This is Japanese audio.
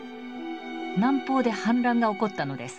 南方で反乱が起こったのです。